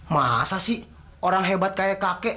masa sih orang hebat kayak kakek